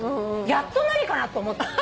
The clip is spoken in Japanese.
やっと何かな？と思ったの。